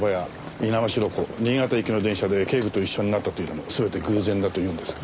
猪苗代湖新潟行きの電車で警部と一緒になったというのも全て偶然だと言うんですか？